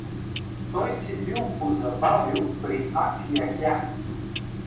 Той се бил позабавил при Ак Яхя.